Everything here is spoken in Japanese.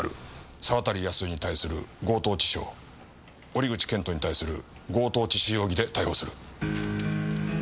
沢渡やすえに対する強盗致傷折口謙人に対する強盗致死容疑で逮捕する。